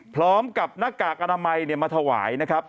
พร้อมกับหน้ากากอนามัยมาถวายนะครับ